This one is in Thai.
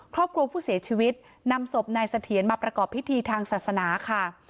ครอบครัวผู้เสียชีวิตนำศพนายเสถียรมาประกอบพิธีทางศาสนาค่ะ